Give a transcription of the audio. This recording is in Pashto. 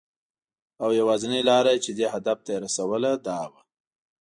او یوازېنۍ لاره چې دې هدف ته یې رسوله، دا وه .